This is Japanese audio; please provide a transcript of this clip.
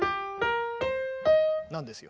なんですよ。